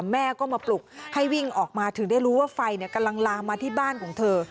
แม่ก็มาปลุกให้วิ่งออกมาถึงได้รู้ว่าไฟกำลังลามมาที่บ้านของเธอ